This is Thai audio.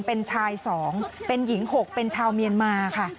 เป็นชาย๒เป็นหญิง๖เป็นชาวเมียนมาค่ะ